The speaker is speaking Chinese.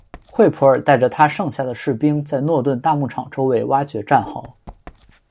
惠普尔带着他剩下的士兵们在诺顿大牧场周围挖掘战壕。